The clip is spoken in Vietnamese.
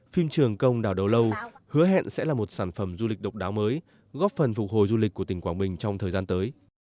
phim trường công đảo đầu lâu hứa hẹn sẽ là một sản phẩm du lịch độc đáo mới góp phần phục hồi du lịch của tỉnh quảng bình trong thời gian tới